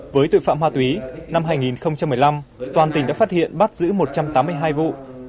với tội phạm ma túy năm hai nghìn một mươi năm toàn tỉnh đã phát hiện bắt giữ một trăm tám mươi hai vụ